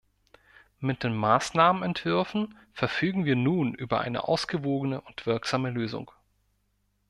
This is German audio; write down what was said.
Mit den Maßnahmenentwürfen verfügen wir nun über eine ausgewogene und wirksame Lösung.